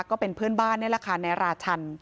ก็เป็นเพื่อนบ้านนี่แหละค่ะนายราชัน